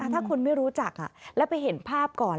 ถ้าคนไม่รู้จักแล้วไปเห็นภาพก่อน